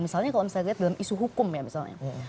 misalnya kalau misalnya dalam isu hukum ya misalnya